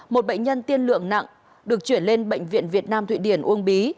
một bệnh nhân tiên lượng nặng được chuyển lên bệnh viện việt nam thụy điển uông bí